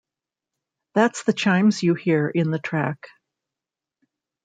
That's the chimes you hear in the track.